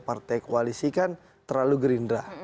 partai koalisi kan terlalu gerindra